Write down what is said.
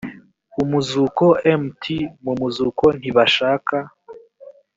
umuzuko mt mu muzuko ntibashaka